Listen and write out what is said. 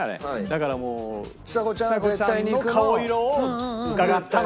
だからもうちさ子ちゃんの顔色をうかがったのよ